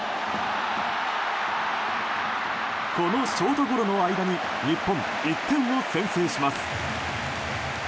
このショートゴロの間に日本、１点を先制します。